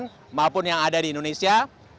maka mobil mobil yang ada di kota medan